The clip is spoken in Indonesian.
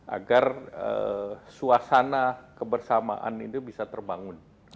agar suasana kebersamaan itu bisa terbangun